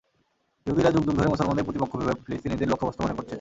ইহুদিরা যুগ যুগ ধরে মুসলমানদের প্রতিপক্ষ ভেবে ফিলিস্তিনিদের লক্ষ্যবস্তু মনে করছে।